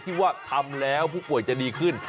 ที่ว่าทำแล้วผู้ป่วยจะดีขึ้น